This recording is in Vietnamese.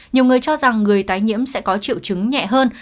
nhiều người cho rằng người tái nhiễm sẽ có triệu chứng nhẹ hơn